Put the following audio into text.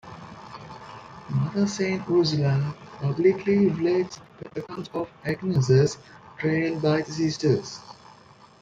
Mother Saint Ursula publicly relates the account of Agnes's trial by the sisters.